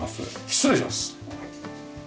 失礼します。